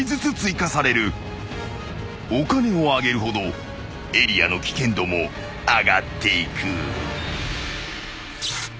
［お金を上げるほどエリアの危険度も上がっていく］